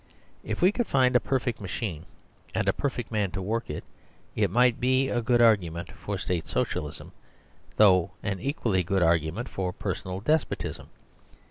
If we could find a perfect machine, and a perfect man to work it, it might be a good argument for State Socialism, though an equally good argument for personal despotism.